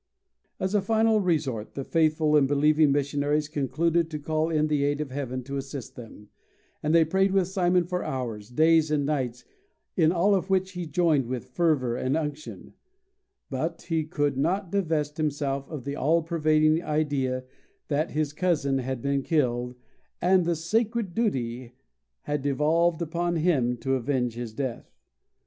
As a final resort, the faithful and believing missionaries concluded to call in the aid of heaven to assist them, and they prayed with Simon for hours, days and nights, in all of which he joined with fervor and unction; but he could not divest himself of the all pervading idea that his cousin had been killed, and the sacred duty had devolved upon him to avenge his death.